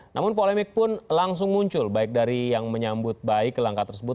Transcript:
namun polemik pun langsung muncul baik dari yang menyambut baik langkah tersebut